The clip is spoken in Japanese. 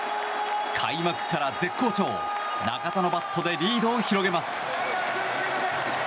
開幕から絶好調、中田のバットでリードを広げます。